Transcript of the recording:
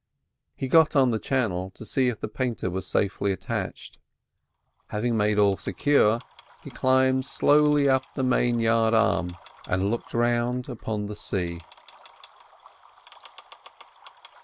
He got on the channel to see if the painter was safely attached. Having made all secure, he climbed slowly up to the main yard arm, and looked round upon the sea.